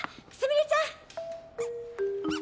すみれちゃん！